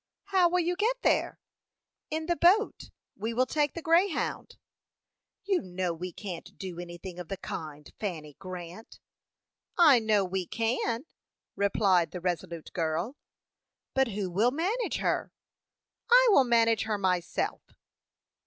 "How will you get there?" "In the boat; we will take the Greyhound." "You know we can't do anything of the kind, Fanny Grant." "I know we can," replied the resolute girl. "But who will manage her?" "I will manage her myself."